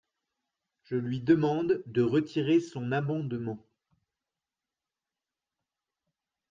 Je lui demande de retirer son amendement.